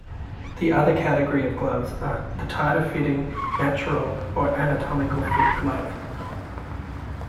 The other category of gloves are the tighter fitting, natural or anatomical fit glove.